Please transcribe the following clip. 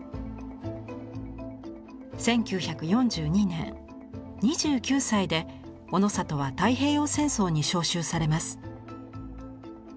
１９４２年２９歳でオノサトは太平洋戦争に召集されます。